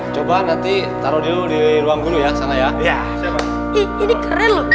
coba nanti taruh dulu di ruang dulu ya sana ya ya ini keren lu